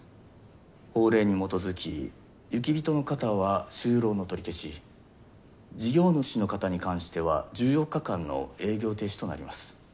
法令に基づき雪人の方は就労の取り消し事業主の方に関しては１４日間の営業停止となります。